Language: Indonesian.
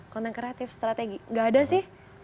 konten kreatif strategi gak ada sih